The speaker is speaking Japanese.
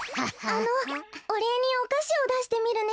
あのおれいにおかしをだしてみるね。